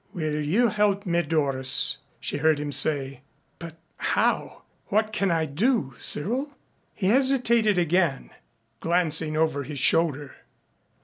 "Will you help me, Doris?" she heard him say. "But how? What can I do, Cyril?" He hesitated again, glancing over his shoulder.